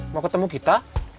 mau ketemu kita